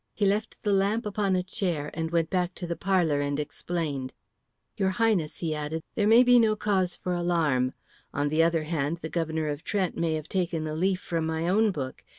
He left the lamp upon a chair and went back to the parlour and explained. "Your Highness," he added, "there may be no cause for any alarm. On the other hand, the Governor of Trent may have taken a leaf from my own book.